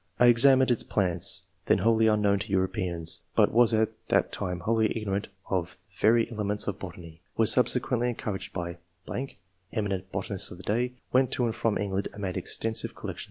I examined its plants, then wholly unknown to Europeans, but was at that time wholly ignorant of the very elements of botany. Was subsequently encouraged by ... [eminent botanists of the day] ; went to and from England and made exteosive collections.